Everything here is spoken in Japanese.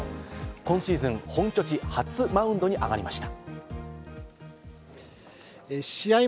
今シーズン、本拠地、初マウンドにあがりました。